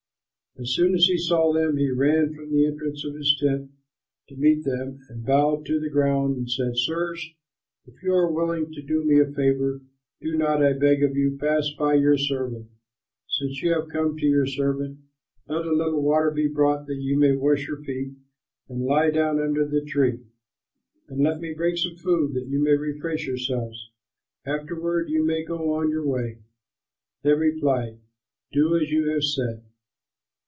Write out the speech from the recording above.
As soon as he saw them, he ran from the entrance of his tent to meet them and bowed to the ground and said, "Sirs, if you are willing to do me a favor, do not, I beg of you, pass by your servant. Since you have come to your servant, let a little water be brought, that you may wash your feet, and lie down under the tree. And let me bring some food, that you may refresh yourselves; afterward you may go on your way." They replied, "Do as you have said."